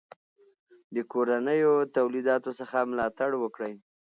د کورنیو تولیداتو څخه ملاتړ وکړئ.